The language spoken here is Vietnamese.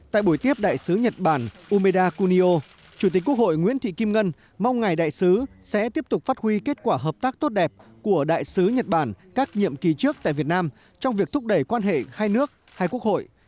tại buổi tiếp đại sứ nhật bản umeda kunio chủ tịch quốc hội nguyễn thị kim ngân mong ngài đại sứ sẽ tiếp tục phát huy kết quả hợp tác tốt đẹp của đại sứ nhật bản các nhiệm kỳ trước tại việt nam trong việc thúc đẩy quan hệ hai nước hai quốc hội